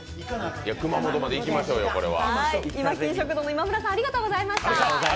熊本まで行きましょうよ、これは。